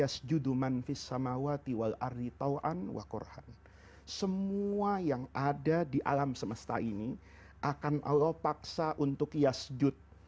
semua yang ada di alam semesta ini akan allah paksa untuk yasjud